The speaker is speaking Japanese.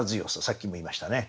さっきも言いましたね。